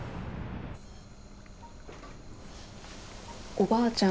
おばあちゃん。